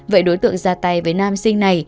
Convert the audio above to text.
vậy đối tượng ra tay với nam sinh này